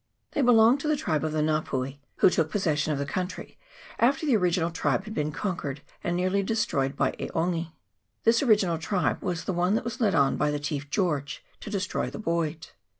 They belong to the tribe of the Nga pui, who took possession of the country after the original tribe had been conquered and nearly destroyed by E'Ongi. This original tribe was the one that was led on by the chief George to destroy the Boyd.